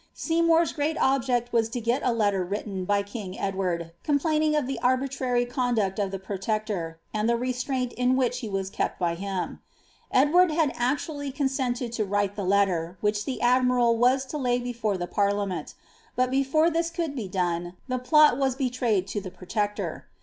Seymour's great object was to gel a letter written by king Edward, complaining of the arbiirary conduct of the protector, and ihe reslraini in which he was kept by him. Edward had actually consented (o write the letter, which the admiral was lo lay before the parliameni ; hut before thia could be done the plot was betrayed to ihe protector.